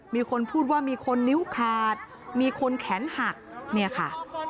มีคนพูดว่ามีคนนิ้วขาดมีคนแขนหักเนี่ยค่ะ